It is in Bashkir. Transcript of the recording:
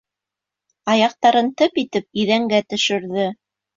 Аяҡтарын тып итеп иҙәнгә төшөрҙө.